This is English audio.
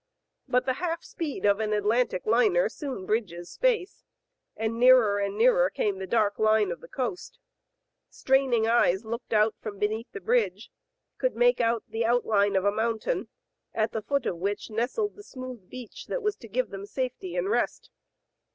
But the half speed of an Atlantic liner soon bridges space, and nearer and nearer came the dark line of the coast. Straining eyes looking out from beneath the bridge, could make out the outline of a mountain, at the foot of which nestled the smooth beach that was to give them safety and rest.